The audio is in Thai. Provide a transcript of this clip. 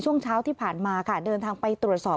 ช่วงเช้าที่ผ่านมาค่ะเดินทางไปตรวจสอบ